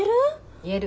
言える。